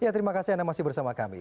ya terima kasih anda masih bersama kami